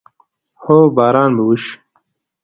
هو، باران به وشي